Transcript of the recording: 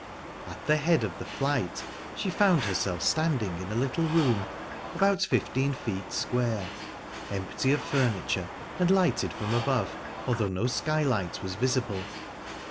At the head of the flight she found herself standing in a little room, about fifteen feet square, empty of furniture, and lighted from above, although no skylight was visible.